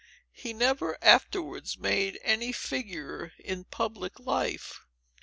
He never afterwards made any figure in public life."